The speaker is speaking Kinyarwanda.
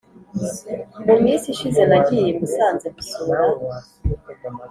Muminsi ishize nagiye musanze gusura